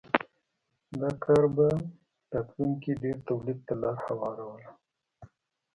دا کار په راتلونکې کې ډېر تولید ته لار هواروله.